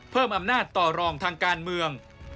เพิ่มอำนาจต่อรองทางการเมือง